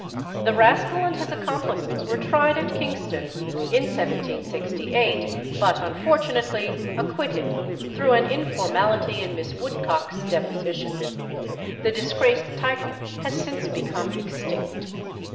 The rascal and his accomplices were tried at Kingston in 1768, but unfortunately acquitted through an informality in Miss Woodcock's deposition. The disgraced title has since become extinct.